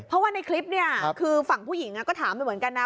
เพราะว่าในคลิปเนี่ยคือฝั่งผู้หญิงก็ถามไปเหมือนกันนะ